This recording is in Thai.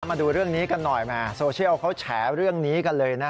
มาดูเรื่องนี้กันหน่อยแหมโซเชียลเขาแฉเรื่องนี้กันเลยนะ